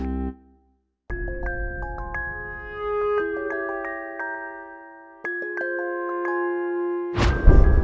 yang penting bawa duit